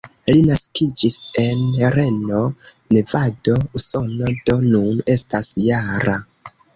Li naskiĝis en Reno, Nevado, Usono, do nun estas -jara.